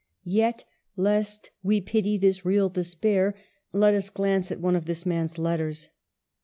Yet — lest we pity this real despair — let us glance at one of this man's letters.